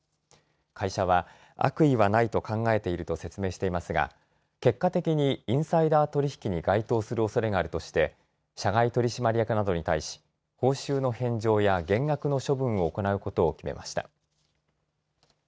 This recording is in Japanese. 会社は、悪意はないと考えていると説明していますが結果的にインサイダー取引に該当するおそれがあるとして社外取締役などに対し報酬の返上や減額の処分を行うことを決めました。